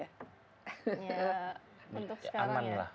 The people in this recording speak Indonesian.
ya aman lah